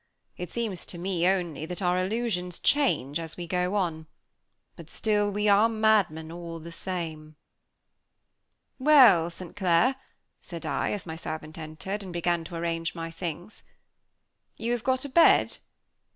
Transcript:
It seems to me, only, that our illusions change as we go on; but, still, we are madmen all the same. "Well, St. Clair," said I, as my servant entered, and began to arrange my things. "You have got a bed?"